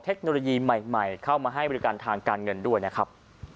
เทคโนโลยีใหม่เข้ามาให้บริการทางการเงินด้วยนะครับ